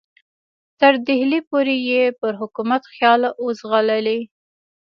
تر ډهلي پورې یې پر حکومت خیال وځغلي.